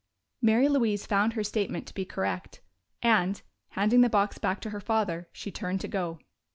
Mary Louise found her statement to be correct, and, handing the box back to her father, she turned to go.